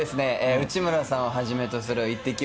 内村さんをはじめとするイッテＱ！